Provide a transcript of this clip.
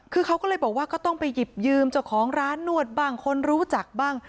คือเขาก็เลยบอกว่าก็ต้องไปหยิบยืมเจ้าของร้านนวดบ้างคนรู้จักบ้าง